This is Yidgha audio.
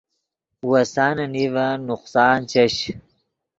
وسانے نیڤن نقصان چش